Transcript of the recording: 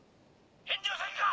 返事をせんか！